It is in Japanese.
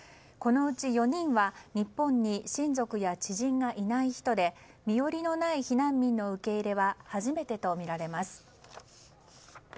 このうち４人は日本に親族や知人がいない人で身寄りのない避難民の受け入れは初めてとみられます。